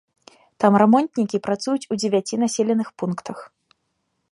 Там рамонтнікі працуюць у дзевяці населеных пунктах.